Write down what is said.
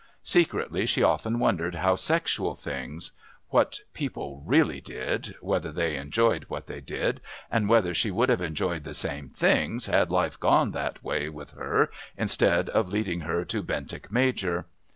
Secretly she often wondered about sexual things what people really did, whether they enjoyed what they did, and whether she would have enjoyed the same things had life gone that way with her instead of leading her to Bentinck Major.